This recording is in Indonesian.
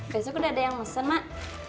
besok udah ada yang mesen mak